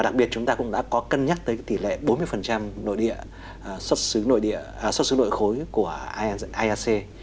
đặc biệt chúng ta cũng đã có cân nhắc tới tỷ lệ bốn mươi nội địa xuất xứ nội khối của iac